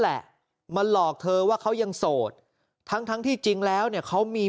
แหละมาหลอกเธอว่าเขายังโสดทั้งทั้งที่จริงแล้วเนี่ยเขามี